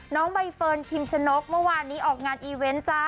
น้องใบเฟิร์นพิมชนกเมื่อวานนี้ออกงานอีเวนต์จ้า